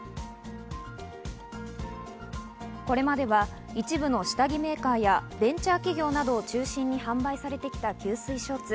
これまでは一部の下着メーカーやベンチャー企業などを中心に販売されてきた吸水ショーツ。